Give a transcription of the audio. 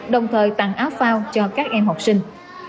đồng thời tặng áo phao cho các em học sinh